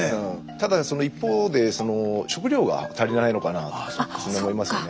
ただその一方で食料が足りないのかなと思いますよね。